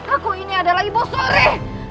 aku ini adalah ibu sore